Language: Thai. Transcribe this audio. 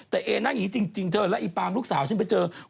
แต่เอนั่งอย่างนี้จริงเธอแล้วอีปามลูกสาวฉันไปเจอ